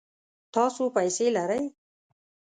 تاسو پیسې لرئ؟